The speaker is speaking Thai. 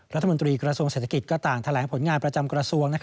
รัฐมนตรีกระทรวงเศรษฐกิจก็ต่างแถลงผลงานประจำกระทรวง